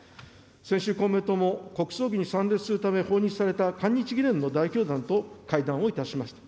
先週、公明党も国葬儀に参列された訪日された韓日議連の代表団と会談をいたしました。